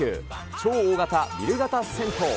超大型ビル型銭湯。